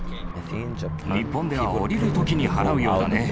日本では降りるときに払うようだね。